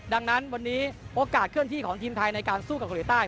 ดังนั้นวันนี้โอกาสเคลื่อนที่ของทีมไทยในการสู้กับเกาหลีใต้